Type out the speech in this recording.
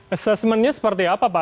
assessmentnya seperti apa pak